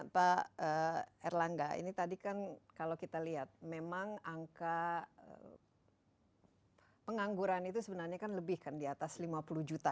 pak erlangga ini tadi kan kalau kita lihat memang angka pengangguran itu sebenarnya kan lebih kan di atas lima puluh juta